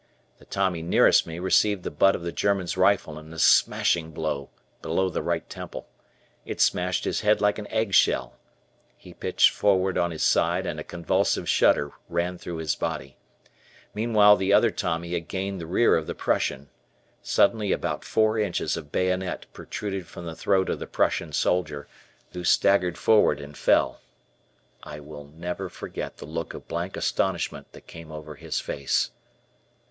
The Tommy nearest me received the butt of the German's rifle in a smashing blow below the right temple. It smashed his head like an eggshell. He pitched forward on his side and a convulsive shudder ran through his body. Meanwhile, the other Tommy had gained the rear of the Prussian. Suddenly about four inches of bayonet protruded from the throat of the Prussian soldier, who staggered forward and fell. I will never forget the look of blank astonishment that came over his face.